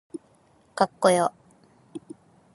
かっこよ